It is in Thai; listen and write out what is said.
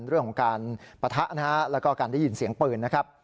เรื่องของการปะทะแล้วก็การได้ยินเสียงปืน